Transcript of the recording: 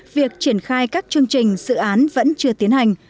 việc triển khai các chương trình dự án vẫn chưa tiến hành